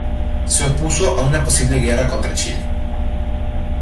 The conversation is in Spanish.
Se opuso a una posible guerra contra Chile.